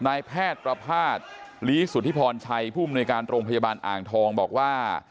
นายแพทย์ประภาษณ์ลีสุธิพรชัยผู้มนุยการโรงพยาบาลอ่างทองบอกว่า